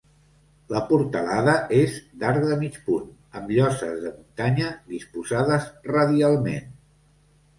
La portalada és d'arc de mig punt, amb lloses de muntanya disposades radialment.